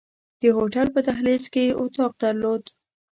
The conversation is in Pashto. د هوټل په دهلیز کې یې اتاق درلود.